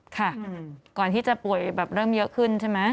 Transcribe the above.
ก่อนที่จะป่วยแบบเริ่มเยอะขึ้นใช่ไหม